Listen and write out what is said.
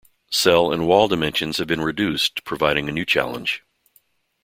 Cell and wall dimensions have been reduced, providing a new challenge.